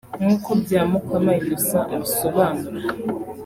nkuko Byamukama Innocent abisobanura